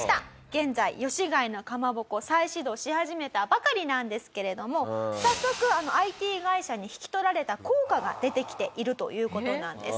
現在吉開のかまぼこ再始動し始めたばかりなんですけれども早速ＩＴ会社に引き取られた効果が出てきているという事なんです。